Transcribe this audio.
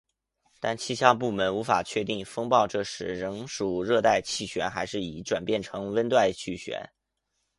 但气象部门无法确定风暴这时是仍属热带气旋还是已转变成温带气旋。